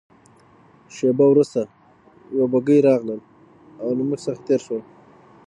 شېبه وروسته یوه بګۍ راغلل او له موږ څخه تېره شول.